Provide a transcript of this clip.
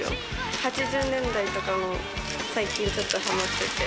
８０年代とかも、最近ちょっとはまってて。